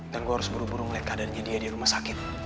gue harus buru buru melihat keadaannya dia di rumah sakit